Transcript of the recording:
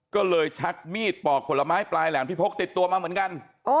ก็เลยชักมีดปอกผลไม้ปลายแหลมที่พกติดตัวมาเหมือนกัน